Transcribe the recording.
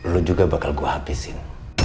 lu juga bakal gue habisin